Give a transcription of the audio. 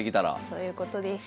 そういうことです。